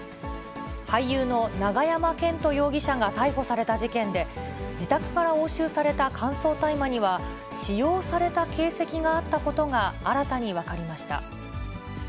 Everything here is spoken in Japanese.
俳優の永山絢斗容疑者が逮捕された事件で、自宅から押収された乾燥大麻には、使用された形跡があったことが新たに分かりました。